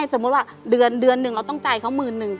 สมมติว่าเดือน๑เราต้องจ่ายเขา๑๐๐๐๐